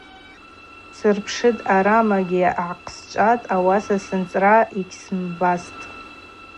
Сырпшытӏ, ъарамакӏгьи гӏахъсчӏватӏ, ауаса сынцӏра йгьсымбастӏ.